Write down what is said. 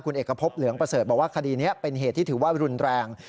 คุณเอกพบเหลืองประเสริฐบอกว่าคดีนี้เป็นเหตุที่ถือว่ารุนแรง